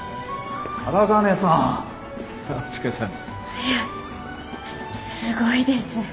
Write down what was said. いやすごいです。